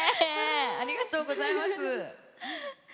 ありがとうございます！